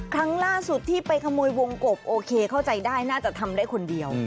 ครั้งล่าสุดที่ไปขโมยวงกบโอเคเข้าใจได้น่าจะทำได้คนเดียว